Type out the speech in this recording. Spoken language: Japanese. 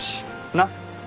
なっ。